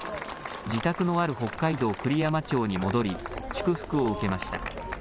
自宅のある北海道栗山町に戻り祝福を受けました。